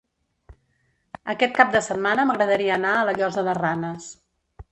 Aquest cap de setmana m'agradaria anar a la Llosa de Ranes.